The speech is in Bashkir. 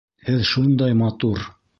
Һеҙ шундай матур!